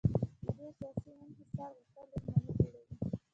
د دوی سیاسي انحصار غوښتل دښمني جوړوي.